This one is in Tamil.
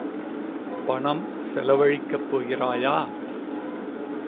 பணம் செலவழிக்கப் போகிறாயா?